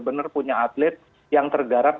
selain terlihat organisasi